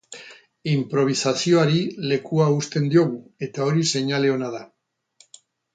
Inprobisazioari lekua uzten diogu eta hori seinale ona da.